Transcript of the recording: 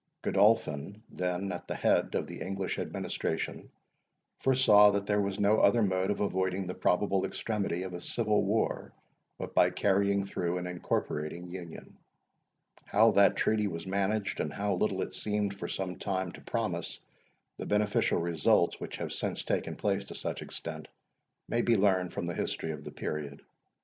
Godolphin, then at the head of the English administration, foresaw that there was no other mode of avoiding the probable extremity of a civil war, but by carrying through an incorporating union. How that treaty was managed, and how little it seemed for some time to promise the beneficial results which have since taken place to such extent, may be learned from the history of the period.